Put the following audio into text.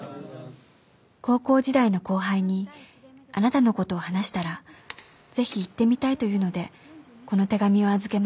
「高校時代の後輩にあなたのことを話したらぜひ行ってみたいと言うのでこの手紙を預けました。